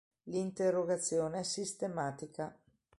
L’interrogazione sistematica.